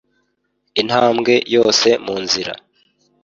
intambwe yose munzira